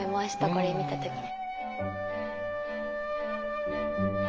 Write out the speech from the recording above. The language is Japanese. これ見た時に。